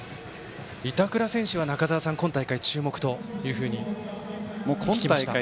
板倉選手は中澤さん今大会、注目だと聞きました。